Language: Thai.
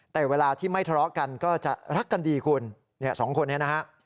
แต่เวลาที่ไม่ทะเลาะกันก็จะรักกันดีคุณเนี่ยสองคนนี้นะฮะ